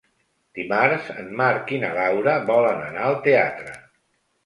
Dimarts en Marc i na Laura volen anar al teatre.